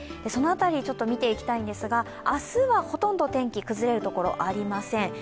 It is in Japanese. その辺り見ていきたいんですが、明日はほとんど天気崩れる所ありません。